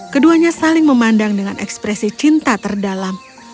keduanya saling memandang dengan ekspresi cinta terdalam